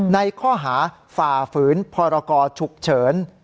ในข้อหาฝ่าฝืนพรกรฉุกเฉิน